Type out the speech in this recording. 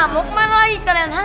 mau kemana lagi kalian